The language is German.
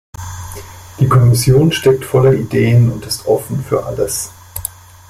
Die Kommission steckt voller Ideen und ist offen für alles.